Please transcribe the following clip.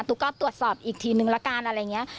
ุ๊กก็ตรวจสอบอีกทีนึงละกันอะไรอย่างนี้